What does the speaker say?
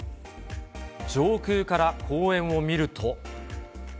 上空から公園を見ると。